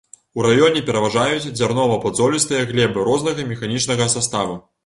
У раёне пераважаюць дзярнова-падзолістыя глебы рознага механічнага саставу.